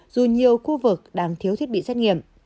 dù nhiều khu vực đang thiếu thiết bị xét nghiệm